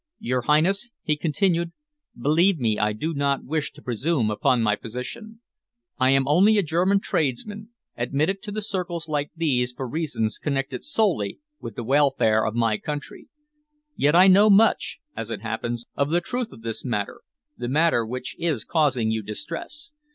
"Your Highness," he continued, "believe me, I do not wish to presume upon my position. I am only a German tradesman, admitted to the circles like these for reasons connected solely with the welfare of my country. Yet I know much, as it happens, of the truth of this matter, the matter which is causing you distress.